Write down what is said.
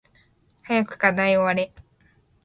早く課題終われ